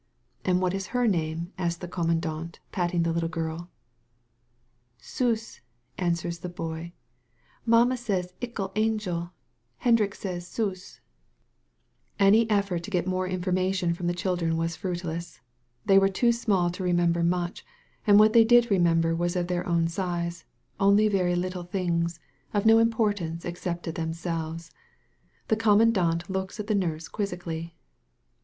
"And what is her name?" asks the commandant, patting the little girl. "Socw«," answers the boy. "Mama say 'tciZe angd.* Hendrik say Sooss SS THE VALLEY OF VISION All effort to get any more information from the children was fruitless. They were too small to re member much, and what they did remember was of their own size — only very little things, of no im portance except to themselves* The conmiandant looks at the nurse quizzically.